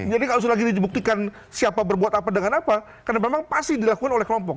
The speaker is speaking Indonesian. jadi kalau sudah lagi dibuktikan siapa berbuat apa dengan apa karena memang pasti dilakukan oleh kelompok